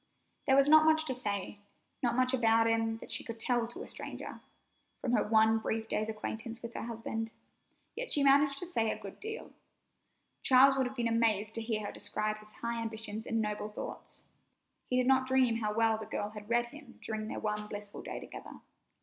There was not much to say, not much about him that she could tell to a stranger, from her one brief day's acquaintance with her husband, yet she managed to say a good deal. Charles would have been amazed to hear her describe his high ambitions and noble thoughts. He did not dream how well the girl had read him during their one blissful day together.